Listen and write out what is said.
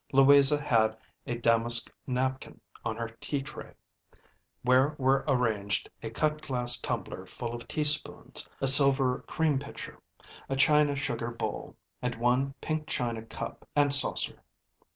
Louisa had a damask napkin on her tea tray, where were arranged a cut glass tumbler full of teaspoons, a silver cream pitcher, a china sugar bowl, and one pink china cup and saucer.